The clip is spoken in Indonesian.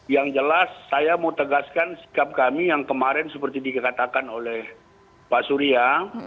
yang jelas saya mau tegaskan sikap kami yang kemarin seperti dikatakan oleh pak surya